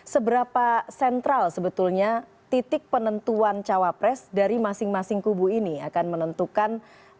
seberapa sentral sebetulnya titik penentuan cawapres dari masing masing kubu ini akan menentukan